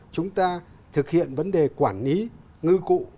chúng ta thực hiện vấn đề quản lý ngư cụ